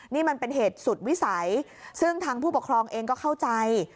นี่มันเป็นเหตุสุดวิสัยซึ่งทางผู้ปกครองเองก็เข้าใจ